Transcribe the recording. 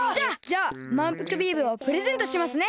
じゃあまんぷくビームをプレゼントしますね！